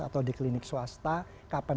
atau di klinik swasta kapan